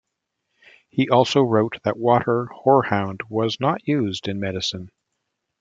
He also wrote that water horehound was not used in medicine.